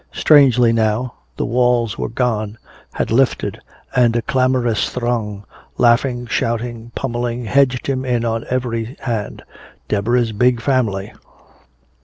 Strangely now the walls were gone, had lifted, and a clamorous throng, laughing, shouting, pummeling, hedged him in on every hand Deborah's big family!